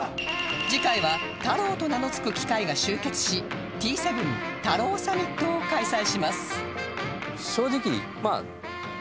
次回は太郎と名の付く機械が集結し Ｔ７ 太郎サミットを開催します